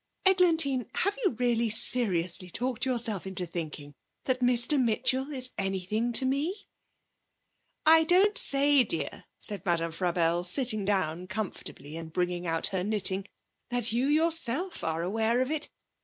'Eglantine, have you really seriously talked yourself into thinking that Mr Mitchell is anything to me?' 'I don't say, dear,' said Madame Frabelle, sitting down comfortably, and bringing out her knitting, 'that you yourself are aware of it.